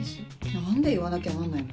何で言わなきゃなんないの？